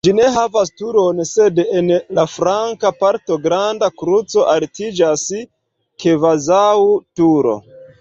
Ĝi ne havas turon, sed en la flanka parto granda kruco altiĝas kvazaŭ turo.